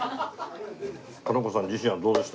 佳菜子さん自身はどうでした？